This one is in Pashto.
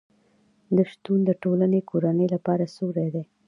د احمد شتون د ټولې کورنۍ لپاره سیوری دی.